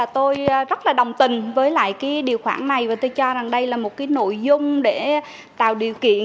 tôi rất đồng tình với điều khoản này và tôi cho rằng đây là một nội dung để tạo điều kiện